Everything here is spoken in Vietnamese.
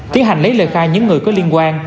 tiến hành lấy lời khai những người có liên quan